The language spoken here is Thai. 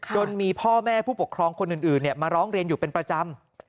จนมีพ่อแม่ผู้ปกครองคนอื่นมาร้องเรียนอยู่เป็นประจำ